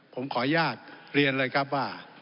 ผมขออนุญาตเรียนเลยครับว่า